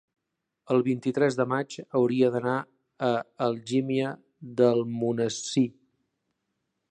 El vint-i-tres de maig hauria d'anar a Algímia d'Almonesir.